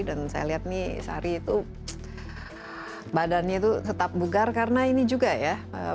dan saya lihat nih sari itu badannya itu tetap bugar karena ini juga ya